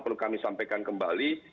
perlu kami sampaikan kembali